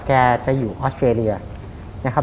แกจะอยู่ออสเตรเลียนะครับ